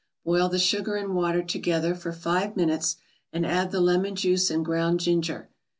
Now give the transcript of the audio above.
Boil the sugar and water together for five minutes, and add the lemon juice and ground ginger.